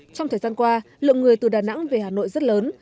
trong thời gian qua lượng người từ đà nẵng về hà nội rất lớn